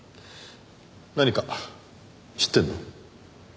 何か知ってるの？